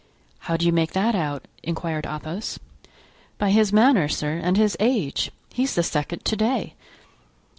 "How do you make that out?" inquired Athos. "By his manner, sir, and his age; he's the second to day."